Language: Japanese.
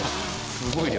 すごい量。